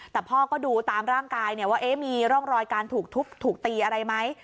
แต่พ่อก็ดูตามร่างกายว่ามีร่องรอยการถูกทุบถูกตีอะไรไหม